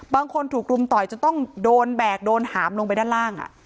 ถูกรุมต่อยจนต้องโดนแบกโดนหามลงไปด้านล่าง